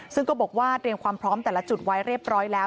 ซึ่งก็บอกว่าเตรียมความพร้อมแต่ละจุดไว้เรียบร้อยแล้ว